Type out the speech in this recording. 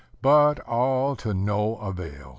] but all to no avail.